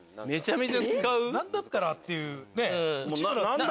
何だったらっていうね。